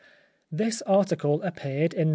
This article appeared in No.